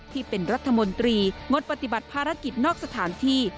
ที่เป็นรัฐมนตรีงดปฏิบัติภารกิจนอกสถานที่